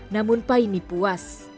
namun paine puas